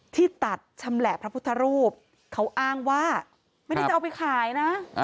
ที่ตัดชำแหละพระพุทธรูปเขาอ้างว่าไม่ได้จะเอาไปขายนะ